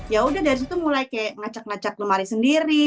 ya udah dari situ mulai kayak ngacak ngacak lemari sendiri